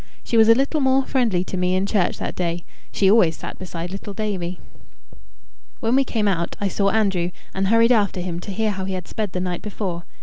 She was a little more friendly to me in church that day: she always sat beside little Davie. When we came out, I saw Andrew, and hurried after him to hear how he had sped the night before.